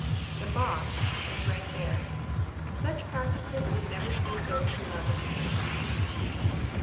The "boss" was right there. Such practices would never suit those who love independence.